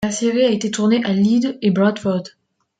La série a été tournée à Leeds et Bradford.